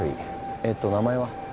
えっと名前は？